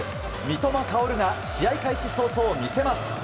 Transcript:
三笘薫が試合開始早々見せます。